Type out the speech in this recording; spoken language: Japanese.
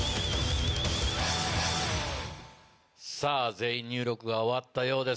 全員入力が終わったようです。